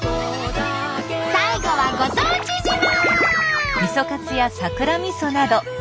最後はご当地自慢。